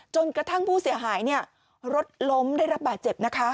จนกระทั่งผู้เสียหายรถล้มได้รับบาดเจ็บนะคะ